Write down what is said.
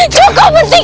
cukup hentikan semua ini